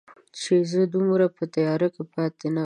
چې زه دومره په تیاره کې پاتې نه وای